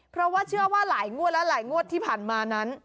เพราะว่าเชื่อว่าหลายงวดและหลายงวดที่ผ่านมานั้น